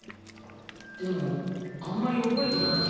でもあんまり覚えてなくて。